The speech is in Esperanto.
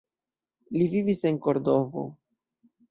Li vivis en Kordovo.